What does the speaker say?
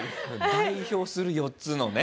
代表する４つのね。